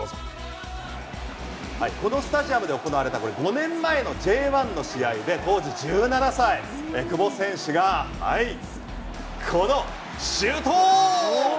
このスタジアムで行われた５年前のＪ１の試合で当時１７歳、久保選手がこのシュート。